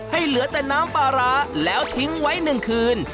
เหลือแต่น้ำปลาร้าแล้วทิ้งไว้๑คืน